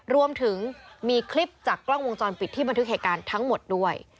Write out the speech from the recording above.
รวมถึงมีคลิปจากกล้องวงจรปิดที่บันทึกเหตุการณ์ทั้งหมดด้วย